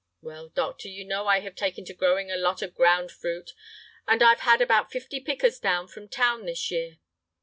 "Well, doctor, you know I have taken to growing a lot of ground fruit, and I've had about fifty pickers down from town this year."